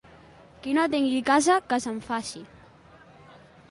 Qui no tingui casa que se'n faci.